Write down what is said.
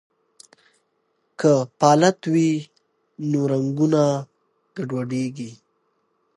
که پالت وي نو رنګونه نه ګډوډیږي.